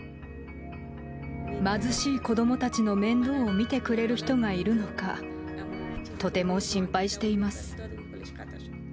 貧しい子どもたちの面倒を見てくれる人がいるのか、とても心配しています。